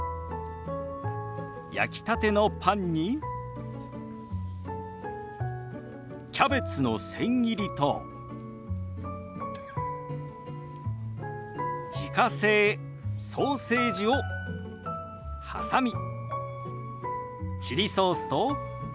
焼きたてのパンにキャベツの千切りと自家製ソーセージを挟みチリソースとマスタードソースをかけた